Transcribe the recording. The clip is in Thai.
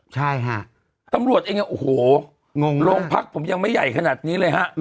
ใช่ค่ะตำรวจเองโอ้โหงงโรงพักผมยังไม่ใหญ่ขนาดนี้เลยฮะ